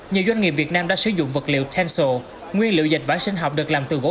nhiều doanh nghiệp việt nam đã sử dụng vật liệu tenso nguyên liệu dệt vải sinh học được làm từ gỗ